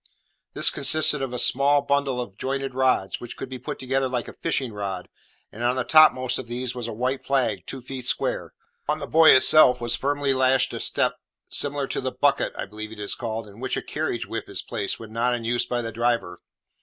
This consisted of a small bundle of jointed rods, which could be put together like a fishing rod, and on the topmost of these was a white flag two feet square. On the buoy itself was firmly lashed a step similar to the "bucket" (I believe it is called) in which a carriage whip is placed when not in use by the driver.